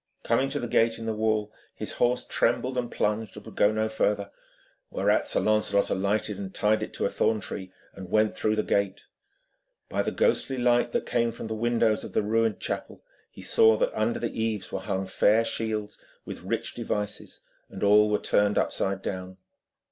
Coming to the gate in the wall, his horse trembled and plunged, and would go no further; whereat Sir Lancelot alighted, and tied it to a thorn tree, and went through the gate. By the ghostly light that came from the windows of the ruined chapel he saw that under the eaves were hung fair shields, with rich devices, and all were turned upside down.